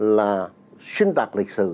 là xuyên tạc lịch sử